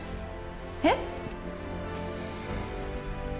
えっ？